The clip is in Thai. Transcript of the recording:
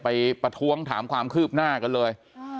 ประท้วงถามความคืบหน้ากันเลย